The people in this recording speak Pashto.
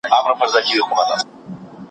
هندي سبک په شعر کې خیال ته ډېر اهمیت ورکوي.